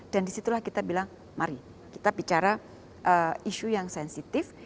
dan disitulah kita bilang mari kita bicara isu yang sensitif